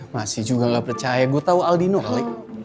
masih juga nggak percaya gue tau aldino alik